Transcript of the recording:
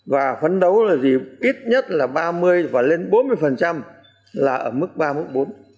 và phấn đấu là gì ít nhất là ba mươi và lên bốn mươi là ở mức ba mức bốn